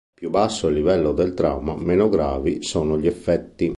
Più basso è il livello del trauma, meno gravi sono gli effetti.